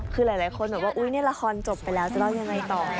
คือหลายคนแบบว่าอุ๊ยนี่ละครจบไปแล้วจะเล่ายังไงต่อ